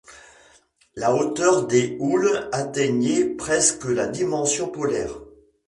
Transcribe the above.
La hauteur des houles atteignait presque la dimension polaire.